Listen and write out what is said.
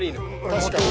確かに。